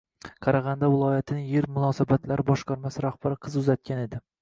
Qarag’anda viloyatining Yer munosabatlari boshqarmasi rahbari qiz uzatgan edi